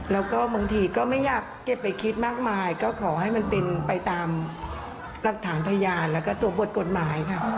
แล้วก็บางทีก็ไม่อยากเก็บไปคิดมากมายก็ขอให้มันเป็นไปตามหลักฐานพยานแล้วก็ตัวบทกฎหมายค่ะ